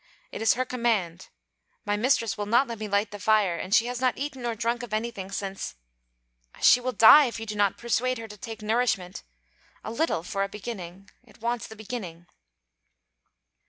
It is her command. My mistress will not let me light the fire; and she has not eaten or drunk of anything since... She will die, if you do not persuade her to take nourishment: a little, for a beginning. It wants the beginning.'